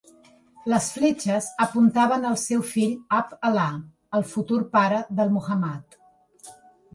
Les fletxes apuntaven al seu fill Abd-Allah, el futur pare del Muhammad.